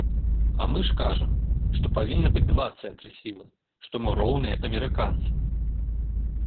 А мы ж кажам, што павінны быць два цэнтры сілы, што мы роўныя амерыканцам!